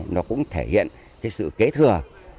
nó cũng thể hiện cái sự kế thừa